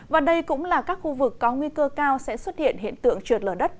và đây cũng là các khu vực có nguy cơ cao sẽ xuất hiện hiện tượng trượt lở đất